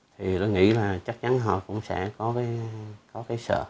thì tôi nghĩ là chắc chắn họ cũng sẽ có cái sợ